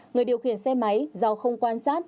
người điều khiển xe máy do không quan sát